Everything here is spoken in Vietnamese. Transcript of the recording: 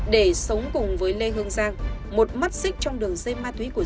để sống cùng với lê hương giang một mắt xích trong đường dây ma túy của